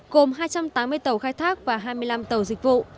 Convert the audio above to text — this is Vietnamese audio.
gồm hai trăm tám mươi tàu khai thác và hai mươi năm tàu dịch vụ